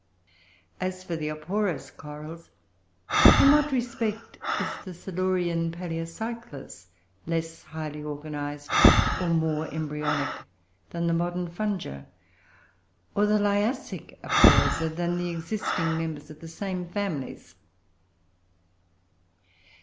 As for the Aporose Corals, in what respect is the Silurian Paloeocyclus less highly organised or more embryonic than the modern Fungia, or the Liassic Aporosa than the existing members of the same families?